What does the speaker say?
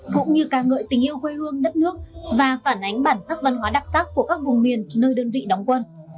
cũng như ca ngợi tình yêu quê hương đất nước và phản ánh bản sắc văn hóa đặc sắc của các vùng miền nơi đơn vị đóng quân